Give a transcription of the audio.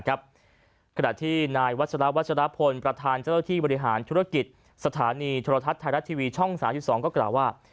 ขณะที่นายวัชราวัชรพลประธานเจ้าที่บริหารธุรกิจสถานีโทรทัศน์ไทยรัฐทีวีช่อง๓๒ก็กล่าวว่า